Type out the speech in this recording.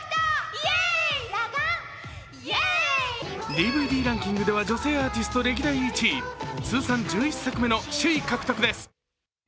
ＤＶＤランキングでは女性アーティスト歴代１位、通算１１作目の首位獲得です。